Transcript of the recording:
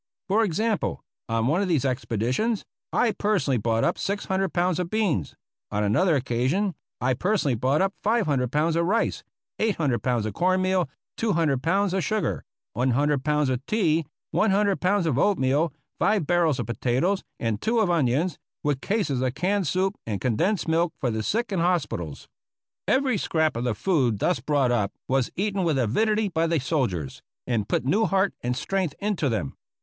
For example, on one of these expeditions I personally brought up 600 pounds of beans ; on another occasion I personally brought up 500 pounds of rice, 800 pounds of cornmeal, 200 pounds of sugar, 100 pounds of tea, 100 pounds of oatmeal, 5 barrels of potatoes, and two of onions, with cases of canned soup and condensed milk for the sick in hospitals. Every scrap of the food thus brought up was eaten with avidity by the soldiers, and put new heart and strength into them.